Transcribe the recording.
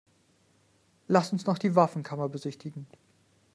Lass uns noch die Waffenkammer besichtigen.